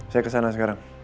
saya kesana sekarang